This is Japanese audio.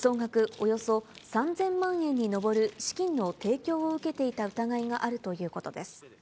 およそ３０００万円に上る資金の提供を受けていた疑いがあるということです。